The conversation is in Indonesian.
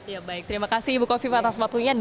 ya baik terima kasih ibu kofi pantas matunya